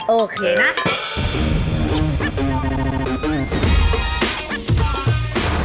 โอเคนะ